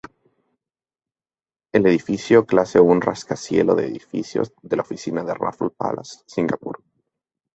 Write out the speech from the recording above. El edificio clase-Un rascacielos de edificio de la oficina en Raffles Place, Singapur.